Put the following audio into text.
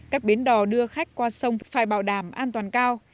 các bến đò đưa khách qua sông phải bảo đảm an toàn cao